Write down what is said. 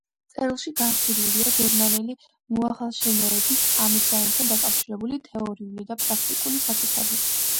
წერილში განხილულია გერმანელი მოახალშენეების ამოცანებთან დაკავშირებული თეორიული და პრაქტიკული საკითხები.